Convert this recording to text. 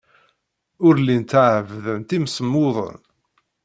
Ur llint ɛebbdent imsemmuden.